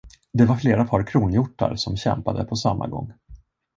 Det var flera par kronhjortar, som kämpade på samma gång.